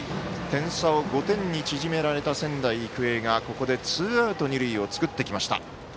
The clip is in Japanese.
点差を５点に縮められた仙台育英がここで、ツーアウト、二塁を作ってきました。